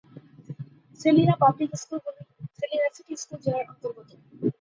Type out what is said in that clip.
Selina public স্কুলগুলি Selina city school জেলার অন্তর্গত।